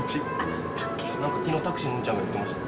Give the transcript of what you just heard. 昨日タクシーの運ちゃんが言ってました。